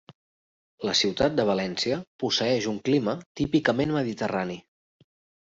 La Ciutat de València posseïx un clima típicament mediterrani.